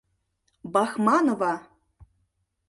Бахманова!